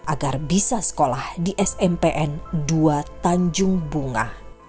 agar bisa sekolah di smpn dua tanjung bunga